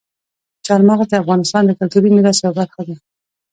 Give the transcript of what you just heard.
چار مغز د افغانستان د کلتوري میراث یوه برخه ده.